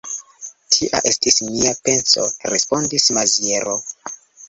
Tia estis mia penso, respondis Maziero.